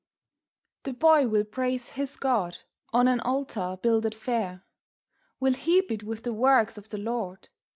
The Boy will praise his God on an altar builded fair, Will heap it with the Works of the Lord.